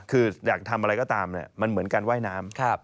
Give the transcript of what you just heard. คืออยากทำอะไรก็ตามมันเหมือนการว่ายน้ำ